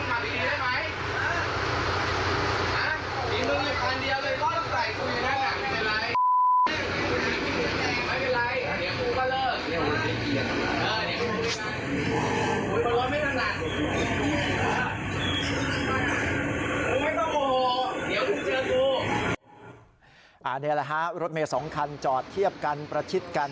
นี่แหละฮะรถเมย์๒คันจอดเทียบกันประชิดกัน